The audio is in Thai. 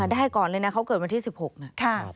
ได้ก่อนเลยนะเขาเกิดวันที่๑๖นะ